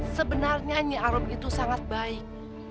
sebenarnya nyanyi arum itu sangat baik